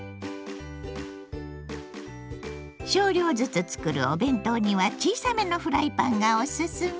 少量ずつ作るお弁当には小さめのフライパンがオススメ！